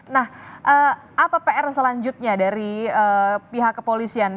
nah apa pr selanjutnya dari pihak kepolisian